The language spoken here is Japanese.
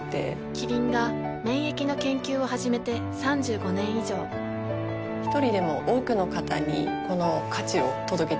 キリンが免疫の研究を始めて３５年以上一人でも多くの方にこの価値を届けていきたいと思っています。